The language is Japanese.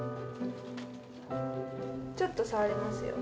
ちょっと触りますよ。